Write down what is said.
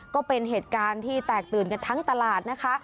ก็เป็นเหตุการณ์ที่แตกตื่นกันทั้งตลาดนะคะ